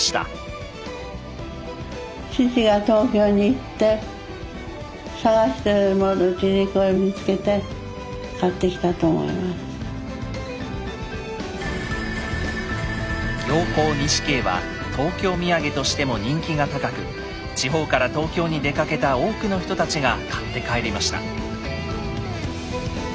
行幸錦絵は東京土産としても人気が高く地方から東京に出かけた多くの人たちが買って帰りました。